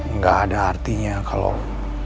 nggak ada artinya kalau